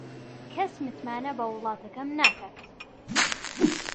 کەس متمانە بە وڵاتەکەم ناکات.